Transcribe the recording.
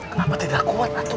kenapa tidak kuat atu